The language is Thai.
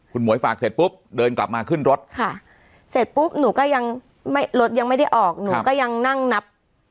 คุณหมวยฝากเสร็จปุ๊บเดินกลับมาขึ้นรถค่ะเสร็จปุ๊บหนูก็ยังไม่รถยังไม่ได้ออกหนูก็ยังนั่งนับ